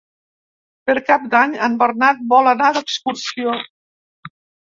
Per Cap d'Any en Bernat vol anar d'excursió.